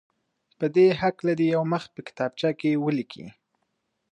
په دې هکله دې یو مخ په کتابچه کې ولیکي.